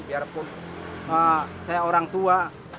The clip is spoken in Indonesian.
biarpun saya orang tua